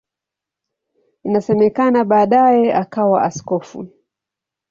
Inasemekana baadaye akawa askofu.